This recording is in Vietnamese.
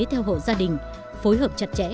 theo hộ gia đình phối hợp chặt chẽ